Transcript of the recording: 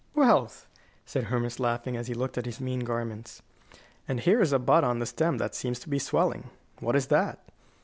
"Wealth," said Hermas, laughing, as he looked at his mean garments. "And here is a bud on the stem that seems to be swelling. What is that?"